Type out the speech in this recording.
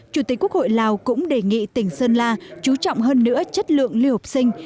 chủ tịch quốc hội lào cũng đề nghị tỉnh sơn la chú trọng hơn nữa chất lượng lưu học sinh